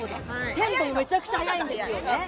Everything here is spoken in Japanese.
テンポもめちゃくちゃ速いんだよね。